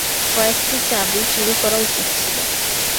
কয়েকটি চাবি চুরি করা উচিত ছিলো।